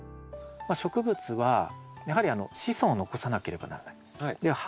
植物はやはり子孫を残さなければならない。